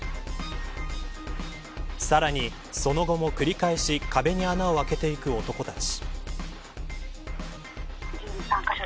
さらに、その後も繰り返し壁に穴を開けていく男たち。